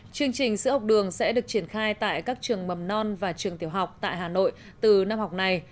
chương trình sữa học đường sẽ được triển khai tại các trường mầm non và trường tiểu học tại hà nội từ năm học này